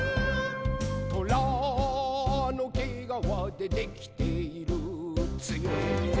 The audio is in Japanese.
「とらのけがわでできているつよいぞ」